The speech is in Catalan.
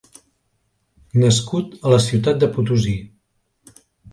Nascut a la ciutat de Potosí.